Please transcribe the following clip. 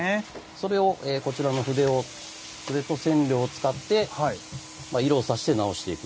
それをこちらの筆と染料を使って色をさして直していく。